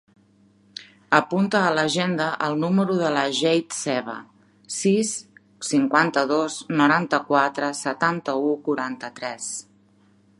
Apunta a l'agenda el número de la Jade Seva: sis, cinquanta-dos, noranta-quatre, setanta-u, quaranta-tres.